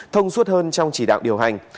thông suốt hơn trong chỉ đạo điều hành